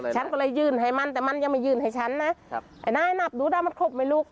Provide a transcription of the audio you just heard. ฉันก็เลยยื่นให้มันแต่มันยังไม่ยื่นให้ฉันนะครับไอ้นายนับดูได้มันครบไหมลูก